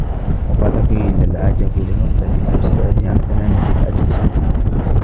وَقَدْ قِيلَ الْعَجَبُ لِغَفْلَةِ الْحُسَّادِ عَنْ سَلَامَةِ الْأَجْسَادِ